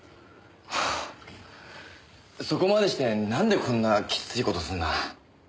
そこまでしてなんでこんなきつい事すんだ？